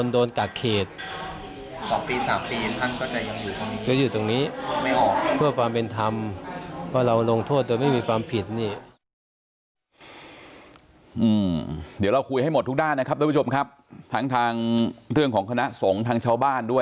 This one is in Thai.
แต่คิดเหตุอย่างไรท่านคุยกันทั้งหมด